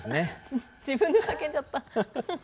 自分で叫んじゃった。